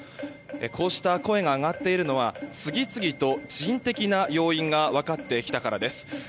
こうした声が上がっているのは次々と、人的な要因が分かってきたからです。